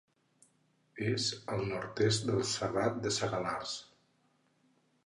És al nord-est del Serrat de Segalars.